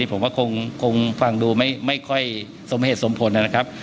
ผมว่าคงฟังดูไม่ค่อยสมเหตุสมผลนะครับ